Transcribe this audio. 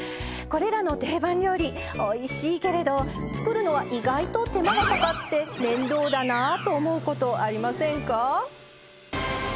これらの定番料理おいしいけれど、作るのは意外と手間がかかって面倒だなと思うことありませんか？